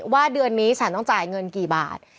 ว่าเดือนนี้ฉันต้องจ่ายเงินกี่บาท